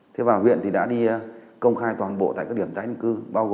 thế vào huyện thì đã đi công khai toàn bộ tại các điểm tái hình cư